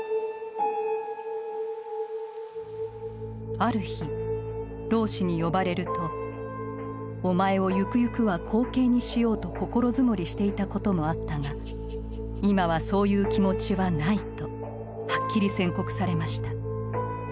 ある日老師に呼ばれると「お前をゆくゆくは後継にしようと心積もりしていたこともあったが今はそういう気持ちはない」とはっきり宣告されました。